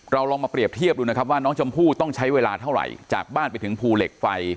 ลองมาเปรียบเทียบดูนะครับว่าน้องชมพู่ต้องใช้เวลาเท่าไหร่จากบ้านไปถึงภูเหล็กไฟ